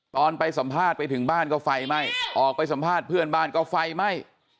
ตอนไปสัมภาษณ์ไปถึงบ้านก็ไฟไหม้ออกไปสัมภาษณ์เพื่อนบ้านก็ไฟไหม้